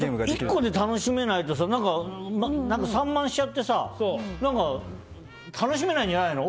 １個で楽しめないと散漫しちゃって楽しめないんじゃないの？